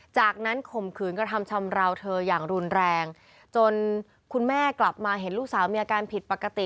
จากนั้นข่มขืนกระทำชำราวเธออย่างรุนแรงจนคุณแม่กลับมาเห็นลูกสาวมีอาการผิดปกติ